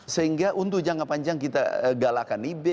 sehingga untuk jangka panjang kita galakan ib